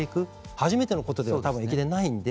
初めてのことでは多分入れないんで。